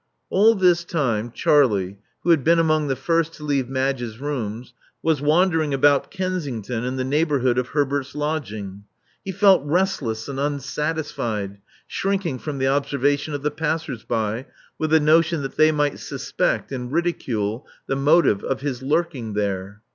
All this time, Charlie, who had been among the first to leave Madge's rooms, was wandering about Kensington in the neighborhood of Herbert's lodging. He felt restless and unsatisfied, shrinking from the observation of the passers by, with a notion that they might suspect and ridicule the motive of his lurking, there.